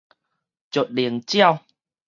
石龍鳥